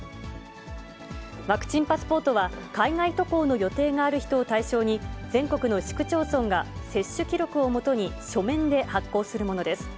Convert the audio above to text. ワクチンパスポートは、海外渡航の予定がある人を対象に、全国の市区町村が接種記録を基に書面で発行するものです。